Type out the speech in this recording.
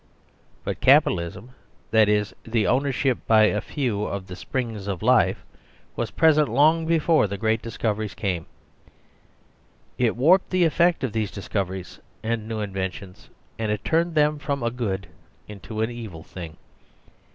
But Capitalism that is, the ownership by a few of the springs of life was present long before the 53 THE SERVILE STATE great discoveries came. It warped the effect of these discoveries and new inventions, and it turned them from a good into an evil thing.